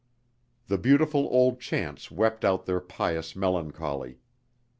The beautiful old chants wept out their pious melancholy.